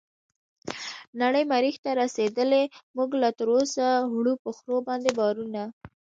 نړۍ مريح ته رسيدلې موږ لا تراوسه وړو په خرو باندې بارونه